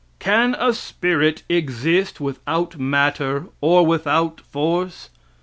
Can a spirit exist without matter or without force?